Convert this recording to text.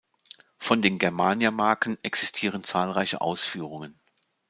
Von den Germania-Marken existieren zahlreiche Ausführungen.